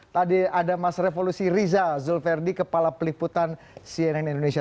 tadi ada mas revolusi riza zulverdi kepala peliputan cnn indonesia